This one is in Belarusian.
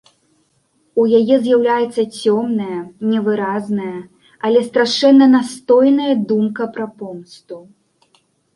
У яе з'яўляецца цёмная, невыразная, але страшэнна настойная думка пра помсту.